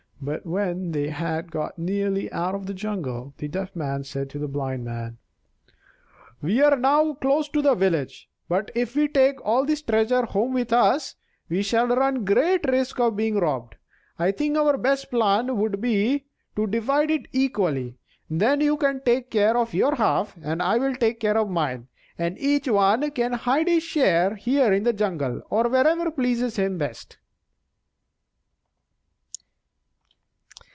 But when they had got nearly out of the jungle the Deaf Man said to the Blind Man: "We are now close to the village; but if we take all this treasure home with us, we shall run great risk of being robbed. I think our best plan would be to divide it equally; then you can take care of your half and I will take care of mine, and each one can hide his share here in the jungle, or wherever pleases him best."